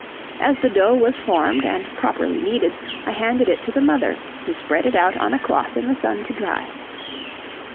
As the dough was formed and properly kneaded, I handed it to the mother, who spread it out on a cloth in the sun to dry.